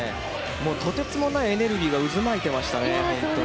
とてつもないエネルギーが渦巻いていましたね。